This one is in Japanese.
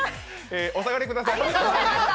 え、お下がりください。